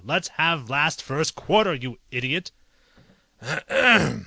"Let's have last first quarter, you idiot!"